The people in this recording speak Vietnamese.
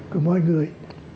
của mọi người